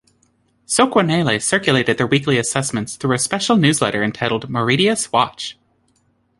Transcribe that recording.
Sokwanele circulated their weekly assessments through a special newsletter entitled 'Mauritius Watch'.